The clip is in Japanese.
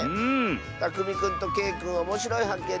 たくみくんとけいくんおもしろいはっけん